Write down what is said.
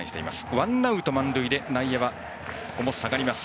ワンアウト、満塁で内野は下がります。